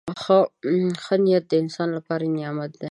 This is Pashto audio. • ښه نیت د انسان لپاره نعمت دی.